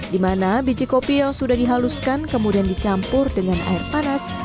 di mana biji kopi yang sudah dihaluskan kemudian dicampur dengan air panas